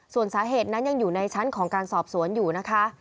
ส่วนสาเหตุนั้นยังอยู่ในชั้นของการสอบสวนอยู่นะคะ